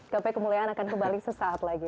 gapai kemuliaan akan kembali sesaat lagi